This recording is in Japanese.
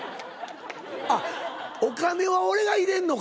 あっお金は俺が入れんのか。